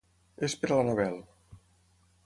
És per a l'Annabelle.